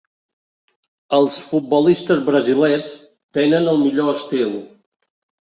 Els futbolistes brasilers tenen el millor estil.